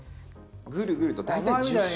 ぐるぐると大体１０周。